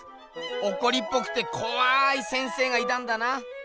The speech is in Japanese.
おこりっぽくてこわい先生がいたんだな。